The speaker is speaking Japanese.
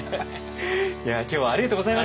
いや今日はありがとうございました。